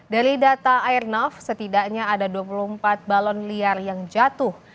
dari data airnav setidaknya ada dua puluh empat balon liar yang jatuh